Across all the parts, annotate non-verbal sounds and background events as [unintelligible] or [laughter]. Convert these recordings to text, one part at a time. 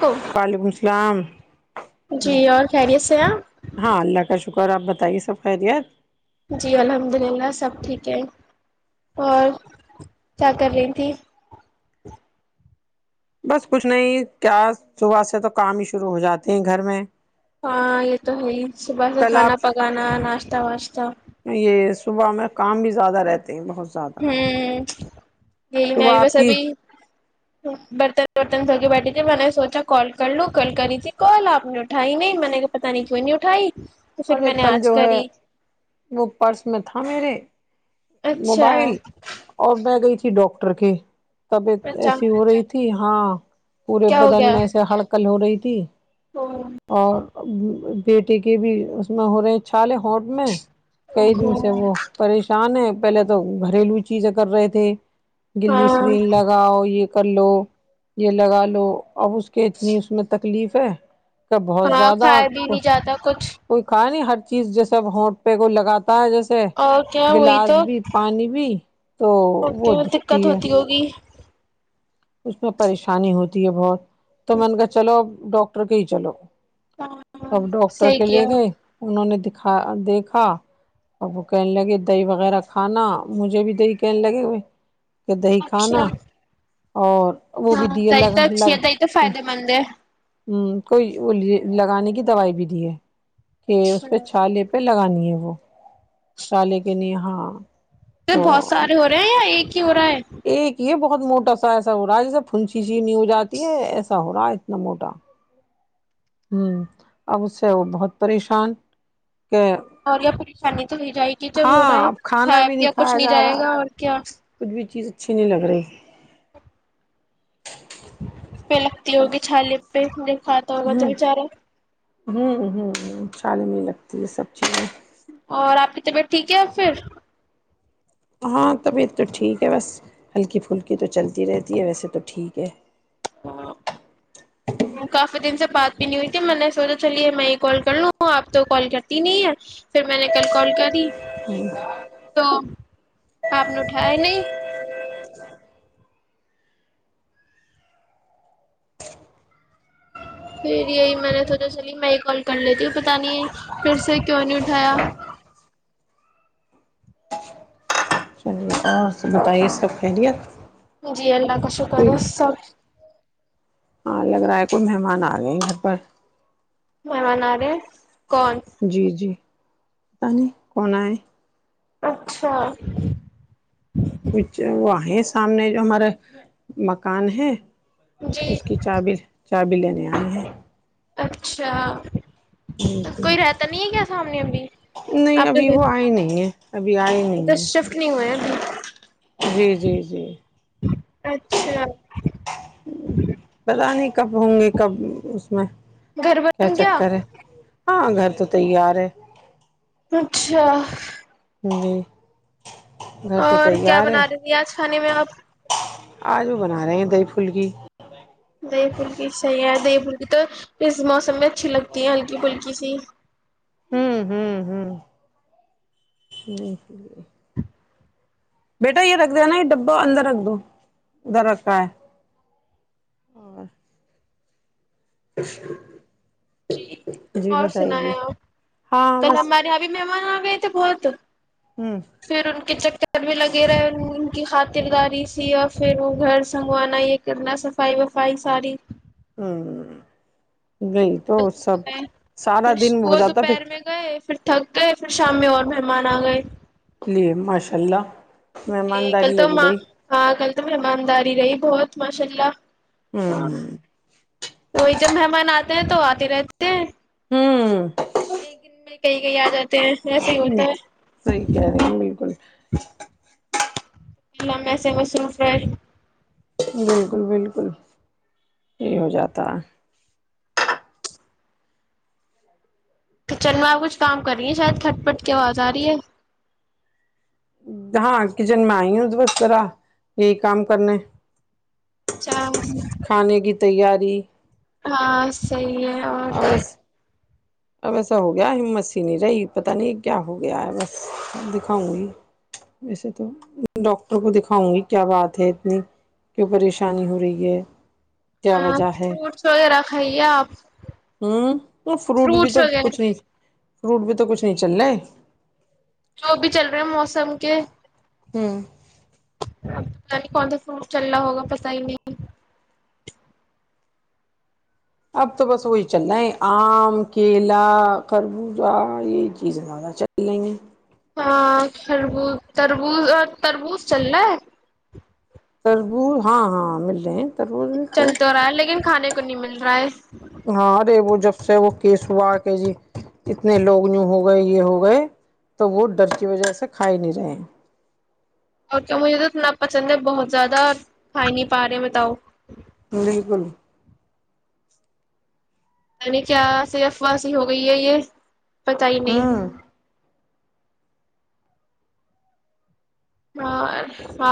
کو وعلیکم اللام جی اور خیریت سے آپ ہاں اللہ کا شکر [inaudible] اور آپ بتائیے سب خیدت جی الحمد للہ سب ٹھیک ہیں اور کیا کر رہی تھی بس کچھ نہیں کیا صبح سے تو کام ہی شروع ہو جاتے ہیں گھر میں ہاں یہ تو ہے ہی صبح سے کل کھانا آپ پکانا ناشتہ تا آستا یہ صبح میں کام بھی زیادہ رہتا ہیں بہت زیادہ یہی میں ابھی صبح آپ بس کی ابھی برتن برتن دھو کے بیٹھی تھی میں نے سوچا کال کر لو کل کری تھی کال آپ نے اٹھائی نہیں میں نے پتا نہیں کیوں نہیں اٹھائی تو پھر ارے میں نے کل آج جو ہے کری وہ پرس میں تھا میرے اچھا موبائل اور میں [inaudible] ڈاکٹر کے طبیعت اچھا ایسی ہو رہی تھی ہاں پورے کیا ہو بدن گیا میں سے ہلک کل ہو رہی تھی اور [inaudible] بیٹی کی بھی اس میں ہو رہے چھالے ہوٹ میں کئی دن سے وہ پریشان ہے پہلے تو گھریلو چیزیں کر رہے تھے گلی ہاں سرین لگاؤ یہ کر لو یہ لگا لو اب اس کے اتنی اس میں تک تکلیف ہے بہت ہاں زیادہ کھایا بھی نہیں جاتا کچھ کوئی کا نہیں ہٹ چیز جیسے اب ہوٹ پہ کو لگاتے اور کیا ہوئی تو پانی بھی تو اوکے وہ دکھتی دقت ہے [inaudible] [inaudible] اس میں پریشانی ہوتی ہے بہت تو من کر چلو اب ڈاکٹر کے ہی چلو ہاں اب ڈاکٹر صحیح کے کیا لے گئے انہوں نے دکھا دیکھا اور وہ کہنے لگے دہی وغیرہ کھانا مجھے بھی دہی کہنے لگے ہوئے کہ دہی اچھا کھانا اور وہ بھی ہاں دی تئی الگ تو اچھی الگ ہے تئی تو ہ فائدے مند ہے کوئی بولیے لگانے کی دوائی بھی دی ہے کہ اچھا اس پہ چھالے پہ لگانی ہے وہ چالے کے لی ہاں اھر تو بہت سارے ہو رہے ہیں یا ایک کی ہو رہا ہے ایک یہ بہت موٹا سا ایسا ہو رہا ہے جیسے پنچیچی نہیں ہو جاتی ہے ایسا ہو رہا اتنا موٹا ہ اب اس سے وہ بہت پریشان کہ اور یا پریشانی تو ل جائے گی جب ہو رہا ہاں اب کھانا ہےپ بھی یا کچھ کھایا نہیں جا جائے رہا گا اور کیا کچھ بھی چیز اچھی نہیں لگ رہی پہ لگتی ہوگی چھالی پہ دیک ہاں تو اگر تو بچارا ہ ہ ہ چھالے میں ہی لگتی ہے سب چیزیں اور آپ کی طبیعت ٹھیک ہے اور پھر ہاں طبیعت تو ٹھیک ہے بس ہلکی پھلکی تو چلتی رہتی ہے ویسے تو ٹھیک ہے کافی دن سے بات بھی نہیں ہوئی تھی میں نے سوچا چلیے میں یہ کال کر لوں آپ تو کال کرتی نہیں ہے پھر میں نے کل کال کری جی [unintelligible] تو آپ ن ھ ہے نہیں پھر یہی میں نے تھوڑا چلی میں ہی کال کر لیتی ہوں پتا نہیں پھر سے کیوں نہیں اٹھایا آپ بتائیے سب خیریت جی اللہ کا شکر کوئی ہے سب ہاں لگ رہا ہے کوئی مہمان آ گئے گھر پر م م نہ رہے کون جی جی پت نہیں کون ہے اچھا اچھ وہئے سامنے جو ہمارا مکان ہے جی اس کی چابیر چار ب لینے آئی ہیں اچھا کوئی رہتا نہیں ہے کیا سامنے ابھی نہیں آپ نے ابھی وہ پھر آئے نہیں ہے ابھی آئے ادھر نہیں ہے شفٹ نہیں ہوئے ابھی اچھا ہمم پتا نہیں کب ہوں گے کب اس میں گھر بن کیا گیا چکر ہے ہاں گھر تو تیار ہے اچھا [inaudible] گھر تو اور کیا تیار ہے بنا رہی تھی آج کھانے میں آپ آج وہ بنا رہے ہیں دہی پھلکی دی پھلکی صحیح ہے دہی پھلکی تو اس موسم میں اچھی لگتی ہے ہلکی پھلکی سی ہممم ہممم ہممم بیٹا یہ رکھ د نا یہ ڈبا اندر رکھ دو ادھر رکھا ہے اور [inaudible] اور بتائیے سنایا آپ ہاں کل بس ہمارے یہاں بھی مہمان آ گئے تھے تو بہت ہوں پھر ان کے چکر بھی لگے رہے ان کی خاطرداری سی اور پھر وہ گھر سنوارنا یہ کرنا صفائی وفائی ساری [inaudible] نہیں تو سب سارا پھر دن ہو وہ جاتا پھر دوپہر میں گئے پھر تھک گئے پھر شام میں اور مہمان آ گئے ماشاء اللہ جی کل مہمانداری تو لگی رہی ہاں کل تو مہمانداری رہی بہت ماشاء اللہ ہاں ہممم وہی جب مہمان آتے ہیں تو آتے رہتے ہیں ہمممم ایک دن میں کہیں کہیں آ جاتے ہیں ایسے ہی ہوتا صحیح کہہ رہے ہیں بالکل اللہ سے مصروف رہے بالکل بالکل یہی ہو جاتا ہے تو چلو آپ کچھ کام کر رہی ہیں شاید تھھٹ پٹ کی آواز آ رہی ہے ہاں کچن میں آئی ہو تو بس ذرا یہی کام کرنے اچھا کھانے کی تیاری ہاں صحیح اور ہے [inaudible] بس اب ایسا ہو گیا ہمت س نہیں رہی پتا نہیں کیا ہو گیا ہے بس دکھاؤں گی ویسے تو ڈاکٹر کو دکھاؤں گی کیا بات ہے اتنی کیوں پریشانی ہو رہی ہے کیا ہاں وجہ فروٹس وغیرہ کھائیے آپ ہمممم فروٹ بھی فروٹس تو وغیرہ کچھ نہیں فروٹ بھی تو کچھ نہیں چل رہا ہے جو بھی چل رہے موسم کے ہوں پت نہیں کون سا فروٹ چل رہا ہوگا پتا ہی نہیں اب تو بس وہی چل رہا ہے آم کیلا خربوزہ یہ چیزیں زیادہ چل رہی ہیں ہاںربوز تربوز اور تربوز چل رہا ہے تربوز ہاں ہاں مل رہے ہیں تربوز بھی چل تو خوب رہا ہے لیکن کھانے کو نہیں مل رہا ہے ہاں ارے وہ جب سے وہ کیس ہوا کہ جی کتنے لوگ یوں ہو گئے یہ ہو گئے تو وہ ڈر کی وجہ سے کھا ہی نہیں رہے اور کیا مجھے تو اتنا پسند ہے بہت زیادہ کھائی نہیں پا رہے ہیں بتاؤ بالکل نی کیا سفواسی ہو گئی ہے یہ پتا ہی نہیں ہوں ہاں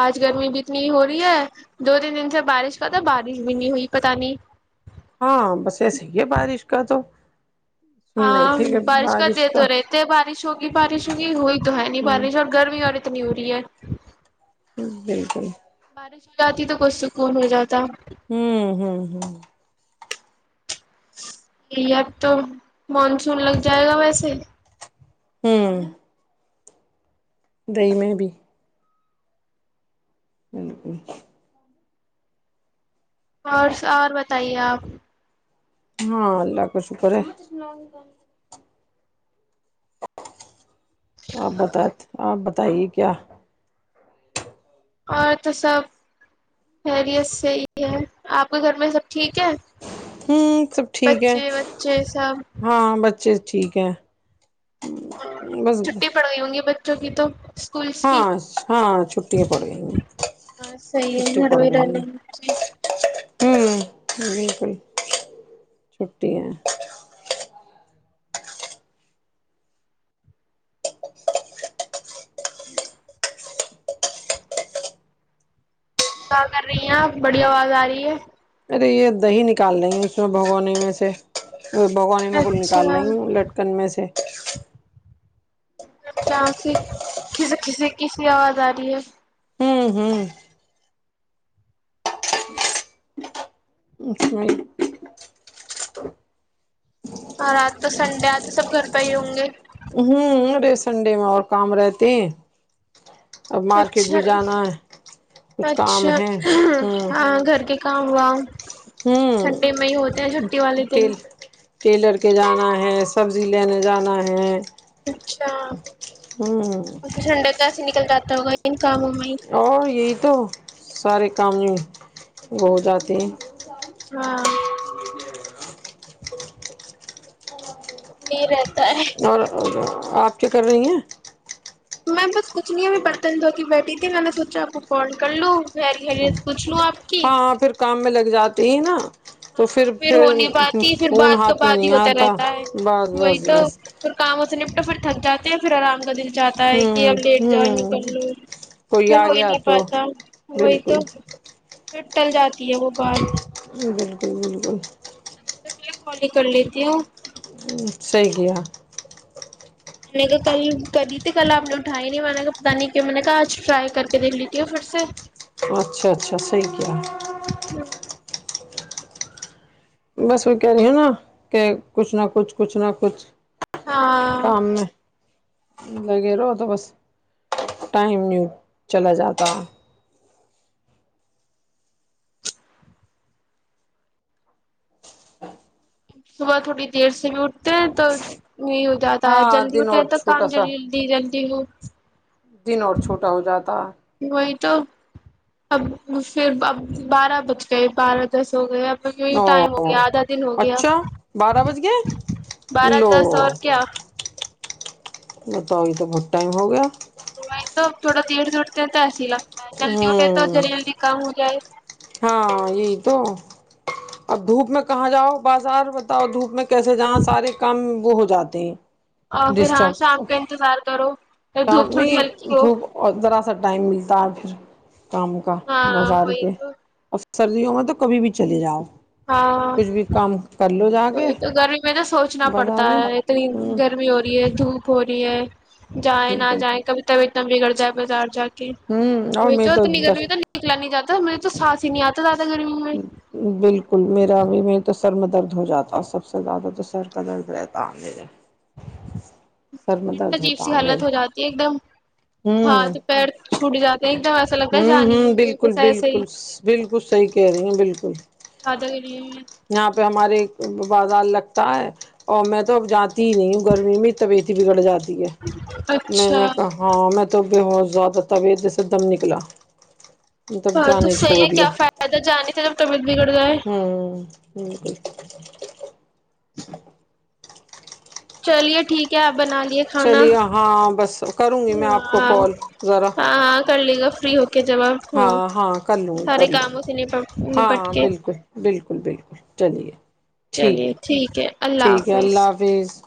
آج گرمی بھی اتنی ہو رہی ہے دو تین دن سے بارش کا تھا بارش بھی نہیں ہوئی پتہ نہیں ہاں بس ایسے ہی ہے بارش کا تو سن رہے ہاں تھے کہ بارش کر د تو کا رہتے بارش ہوگی بارش ہوگی ہوئی تو ہے نہیں ہوں بارش اور گرمی اور نی ہو رہی ہے بالکل بارش ہو جاتی تو کچئی سکون ہو جاتا ہوں ہوں ہوں اب تو مانسون لگ جائے گا ویسے ہوں دہی میں بھی بالکل اور اور بتائیے آپ ہاں اللہ کا شکر ہے آپ بتا آپ بت تائی کیا اور تو سب خیریت صحیح ہے آپ کے گھر میں سب ٹھیک ہے ہ سب ٹھیک ہے بچے بچے سب ہاں بچے ٹھیک ہے بس جو کع تو اسکولس کی ہاں ہاں چھٹییا پڑ گئی ہیں ہاں صحیح ہے چھٹی گھر پڑ میں ہی گئی رہنے ہیں ہوں بالکل چھٹی ہے کیا کر رہی ہیں آپ بڑی آواز آ رہی ہے ارے یہ دہی نکال رہیں ہیں اس میں بھگونے میں سے بھگوانی میں کول نکال اچھا رہی ہوں لٹکن میں سے کیا اسے کھس کھسی کسیی آواز آ رہی ہے ہوں ہوں اس میں اور آات تو سنڈے آتے سب گھر پہ ہی ہوں گے ہوں ارے سنڈے میں اور کام رہتے اب مارکیٹ اچھا بھی جانا ہے کچھ کام اچھا ہے ہوں ہاں گھر کے کام ہوا ہوں سنڈے مئی ہوتے ہیں چھٹی والے دن ٹیل ٹیلر کے جانا ہے سبزی لینے جانا ہے اچھا ہوں ل جاتا ہوگا کاموں میں ہی او یہی تو سارے کام وہ ہو جاتے ہیں ہاں [inaudible] اور آپ کیا کر رہی ہیں میں بس کچھ نہیں میں برتن دھوک بیٹھی تھی میں نے سوچا آپ کو کال کر لوں خیر خیریت پوچھ لو اپ کی ہاں پھر کام میں لگ جاتا تین ہاں پھر ہو نہیں پاتی پھر فون بعد کا ہاتھ میں بعد ہی نہیں ہوتا آتا رہتا ہے بس وہی بس تو بس پھر کام ہو سے نپٹا پھر تھک جاتا ت پھر آرام کا د جاتا ہے کہ ہوں اب لیٹ جوں ہوں کر لوں کوئی پھر آ ہو ہی گیا نہیں تو پاتا وہی بالکل تو پھر ٹل جاتی ہے وہ بات بالکل بالکل تو میں کالی کر لیتی ہوں صحیح کیا میں نے کہ کل کری تھی کل آپ نے اٹھاائی نہیں میں نے کہ پتا نہیں کیا میں نے کہا آج ٹرائی کر کے دیکھ لیتی ہو پھر سے اچھا اچھا صحیح کیا ہے بس وہ کہہ رہی ہو نا کہ کچھ نہ کچھ کچھ نہ کچھ ہاں کام میں لگے رہو تو بس ٹائم یوں چلا جاتا صبح تھوڑی دیر سے بھی اٹھتے ہیں تو یہ ہو جاتا ہے ہاں جلدی دن اٹھے اور تو کام چھوٹا سا جللد جلدی ہو [inaudible] دن اور چھوٹا ہو جاتا ہے وہی تو اب پھر ا بارہ بج گئے بارہ دس ہو گئے اب یوں او ٹائم ہو گیا آدھا دن ہو گیا اچھا بارہ بج گئے بارہ لو دس اور کیا بتاؤ یہ تو بہت ٹائم ہو گیا وہی تو تھوڑا دیر سے اٹھتے ہیں تو ایسا جلدی اٹھے تو جی ہوں جلدی کم ہو جائے ہاں یہی تو اور دھوپ میں کہاں جاؤ بازار بتاؤ دھوپ میں کیسے جہاں سارے کام وہ ہو جاتے ہیں اور پھر ہاں ڈسٹرب شام کا انتظار کرو دھوپ شام تھوڑی نہیں ہلکی ہو دھوپ اور ذرا سا ٹائم ملتا ہے اور پھر کام کا ہاں بازار وہی کے تو [unintelligible] سردیوں میں تو کبھی بھی چلے جاؤ کچھ بھی کام کر لو جا تو کے تو گرمی میں نا سوچنا پڑتا بازار میں ہے اتنی ہوں گرمی ہو رہی ہے دھوپ ہو رہی یہے [unintelligible] جائیں نہ بالکل جائیں کبھی تبھی اتنا بگڑ جائے بازار جا ہوں اور چ میں تو ت نگر در تو نکلنی جات [unintelligible] میرے تو ساتس ہی نہیں آتا تھا بالکل میرا بھی میں تو سر میں درد ہو جاتا ہے سب سے زیادہ تو سر کا درد رہتا ہےدے عجیب سی حالت ہو جاتی ہے ایک دم ہاں ہوں تو پیر چھوٹ جاتا ہوں ہوں بالکل ہی بالکل بالکل صحی کہہ رہی ہ بالکل زیادہ گری ہوئی ہے۔ یہاں پہ ہمارے بازار لگتا ہے اور میں توب جاتی نہیں گرمی میں توبیت بڑ جاتے میں نے کہ ہاں میں تو بہت زیادہ طویت جیسے دم نکلا تب ہاں تو جانا ہی صحیح چھوڑ ہے دیا کیا فائدہ جانے تے جب تم ہوں ج [unintelligible] چلیے ٹھیک ہے اب چلیے ہاں بس کروں گی میں آپ کو ہاں کال ذرا فریح [unintelligible] کے جواب ہو ہاں ہاں کر لوں گی سارے کر لوں گی کاموں سے ن نپٹ ہاں کے بالکل بالکل بالکل چلیے چلیے ٹھیک ہے اللہ ٹھیک ہے حافظ اللہ حافظ